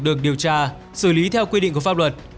được điều tra xử lý theo quy định của pháp luật